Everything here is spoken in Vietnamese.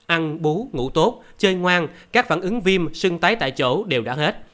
ăn bú ngủ tốt chơi ngoan các phản ứng viêm sưng tấy tại chỗ đều đã hết